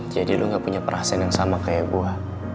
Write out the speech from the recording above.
jadi lo gak punya perasaan yang sama kayak gue